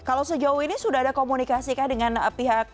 kalau sejauh ini sudah ada komunikasi kah dengan pihak